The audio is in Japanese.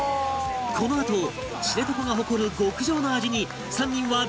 このあと知床が誇る極上の味に３人は大興奮する事に！